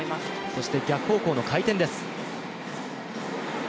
そして逆方向の回転です。